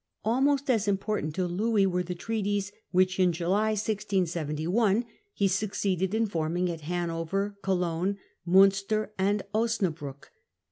Almost as important to Louis were the treaties which in July 1671 he succeeded in forming at Hanover, Cologne, Munster, and Osnabruck.